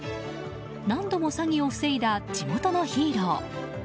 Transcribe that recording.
何度も詐欺を防いだ地元のヒーロー。